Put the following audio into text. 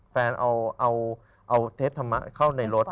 แฟนเอาเทปเข้าในรถ